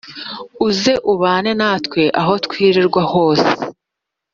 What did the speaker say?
Uze ubane natwe aho twirirwa hose